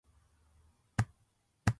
ばーか、ずーっと前から好きだっちゅーの。